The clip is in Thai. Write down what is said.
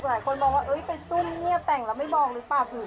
หลายคนมองว่าไปซุ่มเงียบแต่งแล้วไม่บอกหรือเปล่าคือ